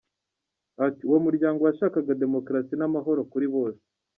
Ati uwo muryango washakaga demokarasi n'amahoro kuri bose.